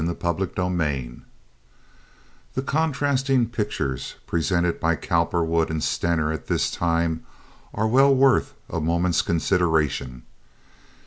Chapter XXXIV The contrasting pictures presented by Cowperwood and Stener at this time are well worth a moment's consideration.